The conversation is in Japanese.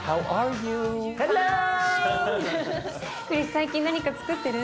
最近何かつくってる？